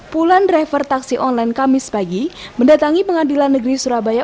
puluhan driver taksi online kamis pagi mendatangi pengadilan negeri surabaya